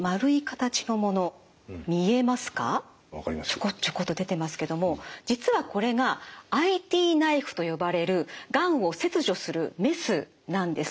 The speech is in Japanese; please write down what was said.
チョコッチョコッと出てますけども実はこれがＩＴナイフと呼ばれるがんを切除するメスなんです。